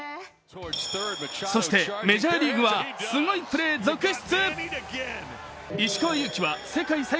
そしてメジャーリーグはすごいプレー続出。